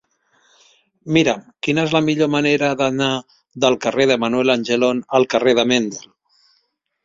Mira'm quina és la millor manera d'anar del carrer de Manuel Angelon al carrer de Mendel.